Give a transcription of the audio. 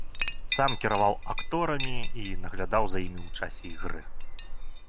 Сам кіраваў акторамі і наглядаў за імі ў часе ігры.